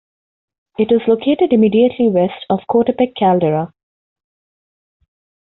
It is located immediately west of Coatepeque Caldera.